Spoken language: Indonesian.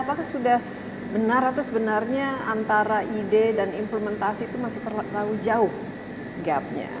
apakah sudah benar atau sebenarnya antara ide dan implementasi itu masih terlalu jauh gapnya